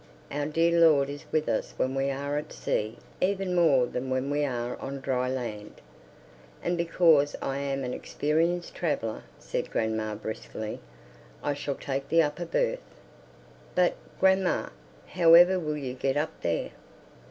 Our dear Lord is with us when we are at sea even more than when we are on dry land. And because I am an experienced traveller," said grandma briskly, "I shall take the upper berth." "But, grandma, however will you get up there?"